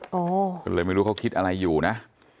ก็เลยไม่รู้เขาคิดอะไรอยู่นะ